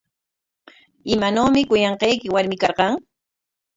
¿Imanawmi kuyanqayki warmi karqan?